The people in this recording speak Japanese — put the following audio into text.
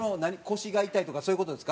腰が痛いとかそういう事ですか？